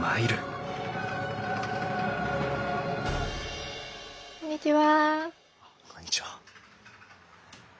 あっこんにちは。